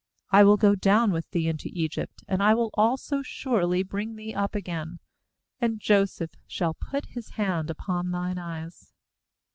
4I will go down with thee into Egypt; and I will also surely bring thee up again; and Joseph shall put his hand upon thine eyes.'